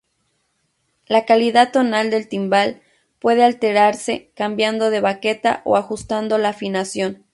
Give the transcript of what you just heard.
La calidad tonal del timbal puede alterarse cambiando de baqueta o ajustando la afinación.